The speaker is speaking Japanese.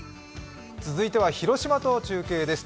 続いては広島と中継です。